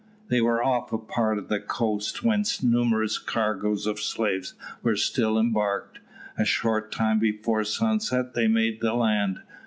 They were off a part of the coast whence numerous cargoes of slaves were still embarked. A short time before sunset they made the land.